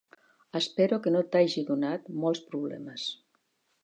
Espero que no t'hagi donat molts problemes.